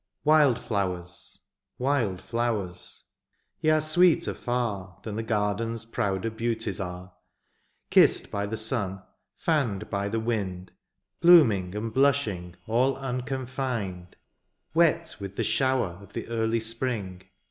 Wild flowers, wild flowers, ye are sweeter far Than the garden^s prouder beauties are ; Kissed by the sun, fanned by the wind. Blooming and blushing all unconfined ; Wet with the shower of the early spring.